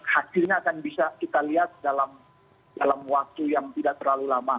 hasilnya akan bisa kita lihat dalam waktu yang tidak terlalu lama